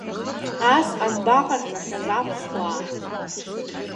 Ас анбаҟарҵахьаз аԥсуаа?